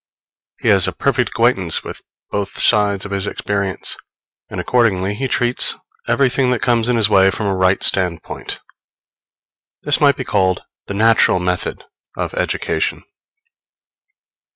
He has a perfect acquaintance with both sides of his experience, and accordingly, he treats everything that comes in his way from a right standpoint. This might be called the natural method of education.